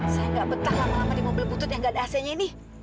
saya nggak betah lama lama di mobil putut yang gak ada ac nya ini